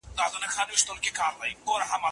ماشوم ته کيسه واوروه.